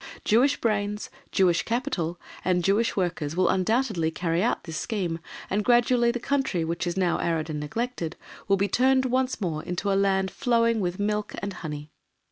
Jewish brains, Jewish capital, and Jewish workers will undoubtedly carry out this scheme, and gradually the country, which is now arid and neglected, will be turned once more into a land flowing with milk and honey.